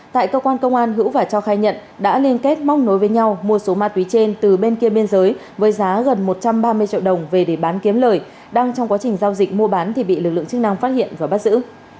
tại cơ quan công an hữu và cho khai nhận đã liên kết móc nối với nhau mua số ma túy trên từ bên kia biên giới với giá gần một trăm ba mươi triệu đồng về để bán kiếm lời đang trong quá trình giao dịch mua bán thì bị lực lượng chức năng phát hiện và bắt giữ